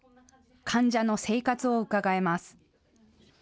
患者の生活をうかがえます。